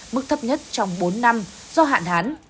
mức thấp nhất trong bốn năm do hạn hán